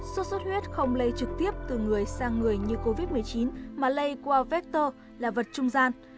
sốt xuất huyết không lây trực tiếp từ người sang người như covid một mươi chín mà lây qua vector là vật trung gian